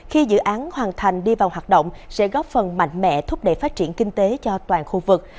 khi dự án hoàn thành đi vào hoạt động sẽ góp phần mạnh mẽ thúc đẩy phát triển kinh tế cho toàn khu vực